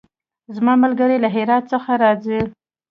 زما ملګری له هرات څخه راځی